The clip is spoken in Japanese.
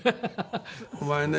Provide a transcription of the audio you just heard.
「お前ね